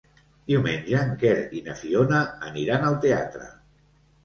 Diumenge en Quer i na Fiona aniran al teatre.